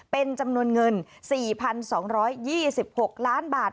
เป็นจำนวนเงิน๔๒๒๖ล้านบาท